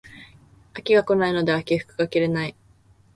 秋が来ないので秋服が着れない